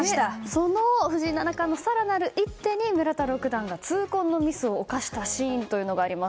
その藤井七冠の更なる一手に村田六段が痛恨のミスを犯したシーンがあります。